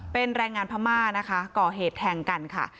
เป็นแรงงานพม่านะคะก่อเหตุแทงกันค่ะ